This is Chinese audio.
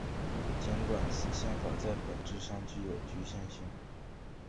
尽管此宪法在本质上具有局限性。